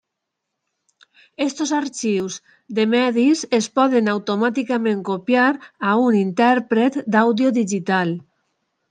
Aquests arxius de medis es poden automàticament copiar a un intèrpret d'àudio digital.